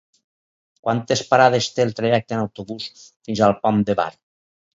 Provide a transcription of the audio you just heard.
Quantes parades té el trajecte en autobús fins al Pont de Bar?